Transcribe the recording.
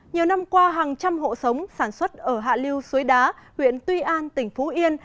nhiều năm qua hàng trăm hộ sống sản xuất ở hạ liêu suối đá huyện tuy an tỉnh phú yên